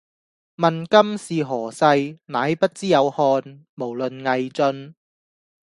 問今是何世，乃不知有漢，無論魏晉